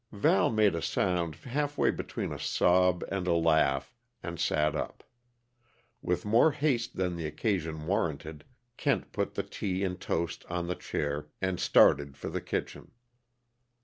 Val made a sound half way between a sob and a laugh, and sat up. With more haste than the occasion warranted, Kent put the tea and toast on the chair and started for the kitchen.